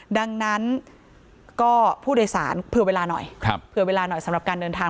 ดังนั้นก็ผู้โดยสารเผื่อเวลาหน่อยเผื่อเวลาหน่อยสำหรับการเดินทาง